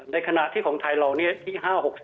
ในขณะที่ของไทยเหล่านี้ที่๕๖๔